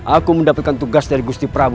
aku mendapatkan tugas dari gusti prabu